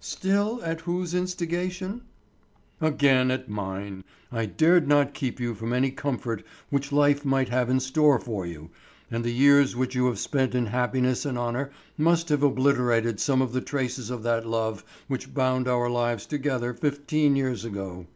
"Still at whose instigation?" "Again at mine. I dared not keep you from any comfort which life might have in store for you, and the years which you have spent in happiness and honor must have obliterated some of the traces of that love which bound our lives together fifteen years ago."